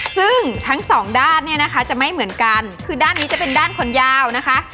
ซึ่งทั้ง๒ด้านจะไม่เหมือนกันคือด้านนี้จะเป็นด้านขนยาวนะคะ